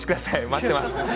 待ってます。